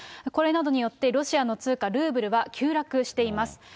これなどによって、ロシアの通貨、ルーブルは急落しています。